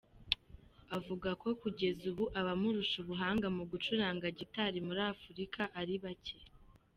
Avuga ko kugeza ubu abamurusha ubuhanga mu gucuranga gitari muri Afurika ari bake.